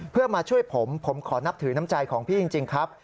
เพื่อมาช่วยผมผมขอนับถือน้ำใจของพี่จริงครับ